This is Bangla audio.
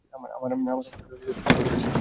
আমার অংশটা ঠিকভাবে করেছি।